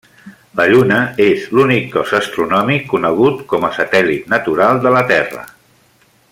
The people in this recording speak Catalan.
La Lluna és l'únic cos astronòmic conegut com a satèl·lit natural de la Terra.